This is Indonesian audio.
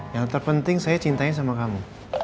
yang terpenting saya cintai sama kamu